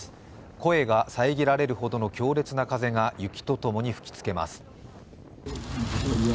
声が遮られるほどの強烈な風が雪と共に吹きつけます。